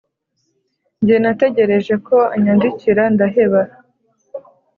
njye nategereje ko anyandikira ndaheba